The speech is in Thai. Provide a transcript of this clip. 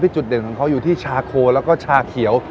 จุดเด่นของเขาอยู่ที่ชาโคแล้วก็ชาเขียว